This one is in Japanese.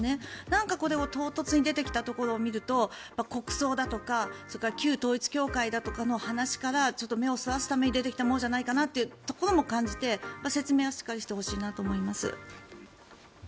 なんかこれが唐突に出てきたところを見ると国葬だとか旧統一教会だとかの話からちょっと目をそらすために出てきたものじゃないかというのも感じて説明はしっかりしてほしいなと思います。